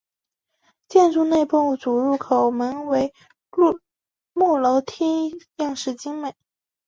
建筑内部主入口门和木楼梯样式精美。